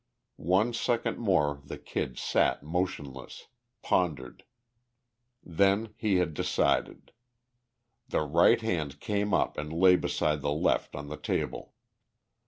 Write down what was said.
One second more the Kid sat motionless, pondered. Then he had decided. The right hand came up and lay beside the left on the table.